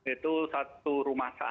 itu satu rumah sakit